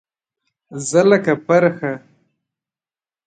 زه لکه پرخه